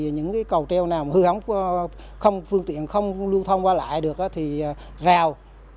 những cầu treo nào hư hỏng không phương tiện không lưu thông qua lại được thì rào